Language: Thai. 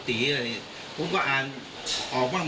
ได้ตอบกันมาทางไหนบ้าง